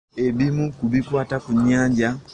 Ebimu ku bikwata ku nnyanja.